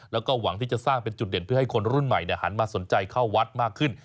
แล้วก็หวังที่จะสร้างเป็นจุดเด่นเพื่อให้คนรุ่นใหม่หันมาสนใจเข้าวัดมากขึ้น